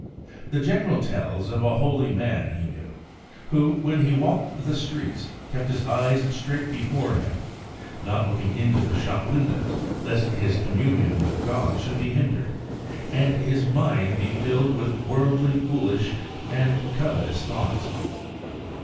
The General tells of a holy man he knew, who, when he walked the streets, kept his eyes straight before him, not looking into the shop windows, lest his communion with God should be hindered, and his mind be filled with worldly, foolish, and covetous thoughts.